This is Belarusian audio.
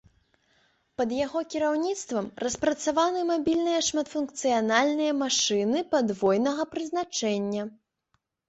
Пад яго кіраўніцтвам распрацаваны мабільныя шматфункцыянальныя машыны падвойнага прызначэння.